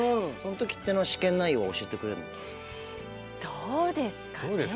どうですかね。